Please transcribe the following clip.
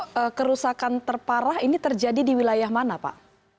pak kerusakan terparah ini terjadi di wilayah mana pak